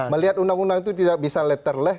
melihat undang undang itu tidak bisa leterleh